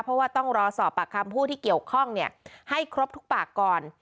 เพราะว่าต้องรอสอบปากคำผู้ที่เกี่ยวข้องให้ครบทุกปากก่อน